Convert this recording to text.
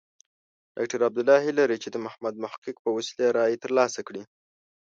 ډاکټر عبدالله هیله لري چې د محمد محقق په وسیله رایې ترلاسه کړي.